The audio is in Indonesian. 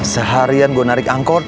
seharian gue narik angkor